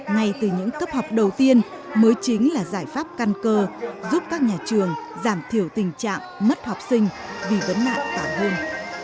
ngay từ những cấp học đầu tiên mới chính là giải pháp căn cơ giúp các nhà trường giảm thiểu tình trạng mất học sinh vì vấn nạn tảo hôn